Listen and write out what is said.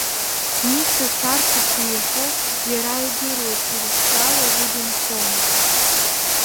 Ница сарԥыс ииҳәо иара идыруеит, сара стәала уи дынхом.